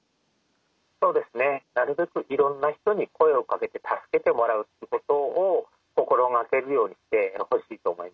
そうですねなるべくいろんな人に声をかけて助けてもらうということを心がけるようにしてほしいと思います。